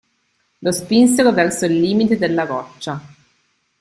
Lo spinsero verso il limite della roccia.